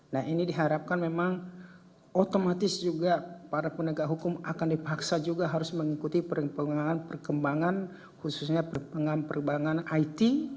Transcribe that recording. nah ini diharapkan memang otomatis juga para penegak hukum akan dipaksa juga harus mengikuti perkembangan khususnya perkembangan it